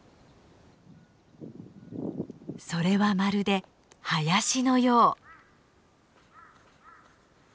それはまるで林のよう。